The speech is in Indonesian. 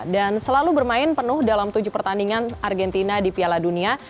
dan selalu bermain penuh dalam tujuh pertandingan argentina di piala dunia